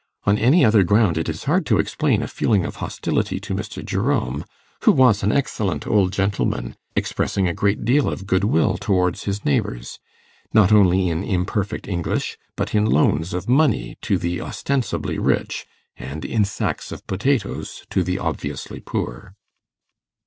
On any other ground it is hard to explain a feeling of hostility to Mr. Jerome, who was an excellent old gentleman, expressing a great deal of goodwill towards his neighbours, not only in imperfect English, but in loans of money to the ostensibly rich, and in sacks of potatoes to the obviously poor.